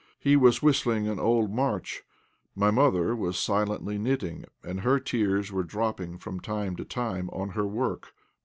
He was whistling an old march. My mother was silently knitting, and her tears were dropping from time to time on her work.